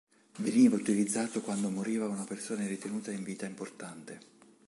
Veniva utilizzato quando moriva una persona ritenuta in vita importante.